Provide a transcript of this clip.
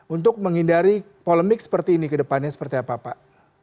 untuk menghindari polemik seperti ini ke depannya seperti apa pak